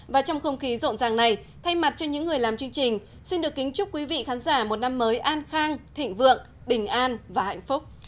và trong không khí rộn ràng này thay mặt cho những người làm chương trình xin được kính chúc quý vị khán giả một năm mới an khang thịnh vượng bình an và hạnh phúc